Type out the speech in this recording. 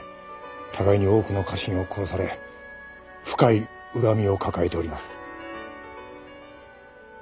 互いに多くの家臣を殺され深い恨みを抱えております。